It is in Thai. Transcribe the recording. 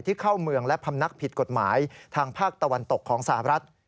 เข้าเมืองและพำนักผิดกฎหมายทางภาคตะวันตกของสหรัฐ